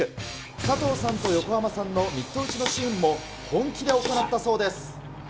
佐藤さんと横浜さんのミット打ちのシーンも本気で行ったそうです。